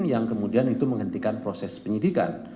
yang kemudian itu menghentikan proses penyidikan